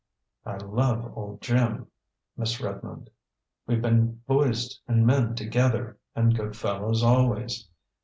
"I love old Jim, Miss Redmond. We've been boys and men together, and good fellows always.